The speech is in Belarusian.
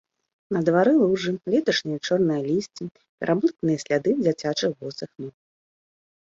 На двары лужы, леташняе чорнае лісце, пераблытаныя сляды дзіцячых босых ног.